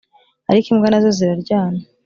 ariko imbwa nazo ziraryana.